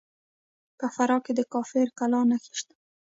په فراه کې د کافر کلا نښې شته